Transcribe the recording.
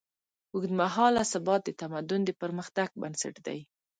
اوږدمهاله ثبات د تمدن د پرمختګ بنسټ دی.